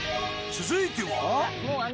続いては。